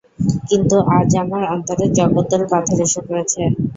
কিন্তু আজ আমার অন্তরে জগদ্দল পাথর এসে পড়েছে।